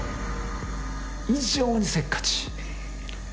異常にせっかち。